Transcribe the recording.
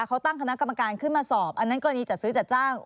เขาตั้งคณะกรรมการขึ้นมาสอบอันนั้นกรณีจัดซื้อจัดจ้าง